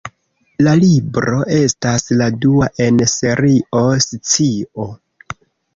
La libro estas la dua en Serio Scio.